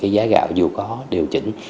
giá gạo dù có điều chỉnh